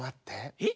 えっ？